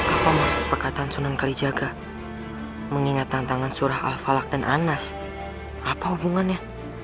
apa maksud perkataan sunan kali jaga mengingat tantangan surah alfalag dan anas apa hubungannya